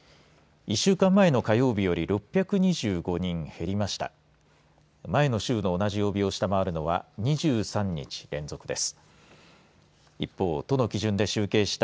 １週間前の火曜日より６２５人減りました。